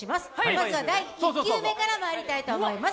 まずは第１球目からまいりたいと思います。